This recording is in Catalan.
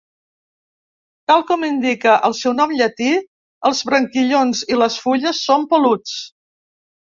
Tal com indica el seu nom llatí, els branquillons i les fulles són peluts.